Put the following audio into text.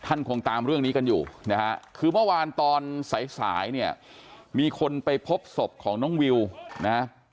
คงตามเรื่องนี้กันอยู่นะฮะคือเมื่อวานตอนสายสายเนี่ยมีคนไปพบศพของน้องวิวนะ